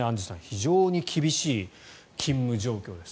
非常に厳しい勤務状況です。